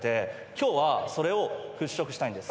今日はそれを払拭したいんです。